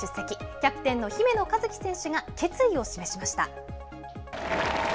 キャプテンの姫野和樹選手が決意を示しました。